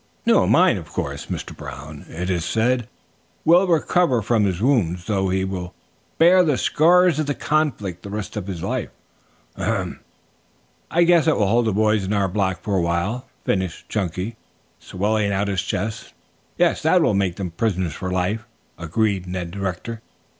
"No, mine, of course. 'Mr. Brown, it is said, will recover from his wounds, though he will bear the scars of the conflict the rest of his life.' Ahem! I guess that will hold the boys on our block for a time," finished Chunky, swelling out his chest. "Yes, that'll make them prisoners for life," agreed Ned Rector.